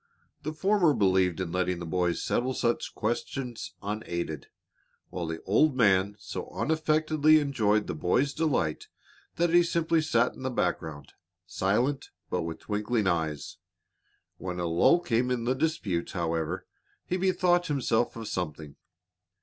The former believed in letting the boys settle such questions unaided, while the old man so unaffectedly enjoyed the boys' delight that he simply sat in the background, silent, but with twinkling eyes. When a lull came in the dispute, however, he bethought himself of something.